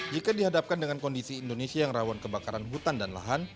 jika dihadapkan dengan kondisi indonesia yang rawan kebakaran hutan dan lahan